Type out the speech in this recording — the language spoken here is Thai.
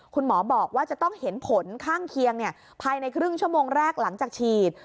คุณหมอบอกว่าจะต้องเห็นผลข้างเคียงภายในครึ่งชั่วโมงแรกหลังจากฉีด